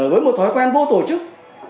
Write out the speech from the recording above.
với một thói quen vô tổ chức